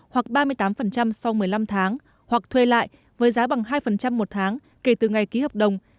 hoặc ba mươi tám sau một mươi năm tháng hoặc thuê lại với giá bằng hai một tháng kể từ ngày ký hợp đồng